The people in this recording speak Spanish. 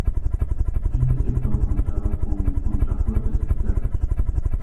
Este sector contaba con contrafuertes externos.